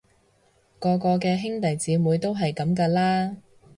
個個嘅兄弟姊妹都係噉㗎啦